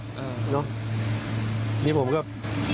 นี่ผมก็คิดว่าจะถอนมาได้ไหมครับ